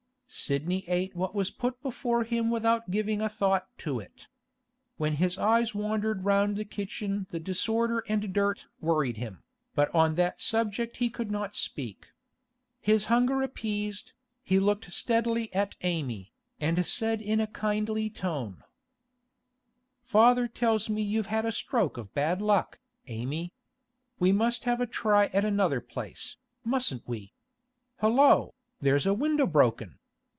Sidney ate what was put before him without giving a thought to it. When his eyes wandered round the kitchen the disorder and dirt worried him, but on that subject he could not speak. His hunger appeased, he looked steadily at Amy, and said in a kindly tone: 'Father tells me you've had a stroke of bad luck, Amy. We must have a try at another place, mustn't we? Hollo, there's a window broken!